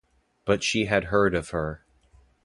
But she had heard of her.